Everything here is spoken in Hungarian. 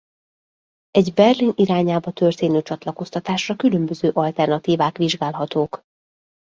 Egy Berlin irányába történő csatlakoztatásra különböző alternatívák vizsgálhatók.